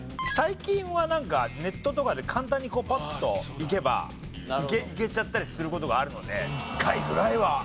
最近はなんかネットとかで簡単にパッといけばいけちゃったりする事があるので１回ぐらいは。